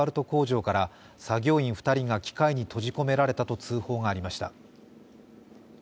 工場から作業員２人が機械に閉じ込められたと通報がありました。